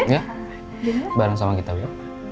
ya bareng sama kita yuk